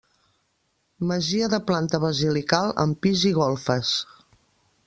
Masia de planta basilical, amb pis i golfes.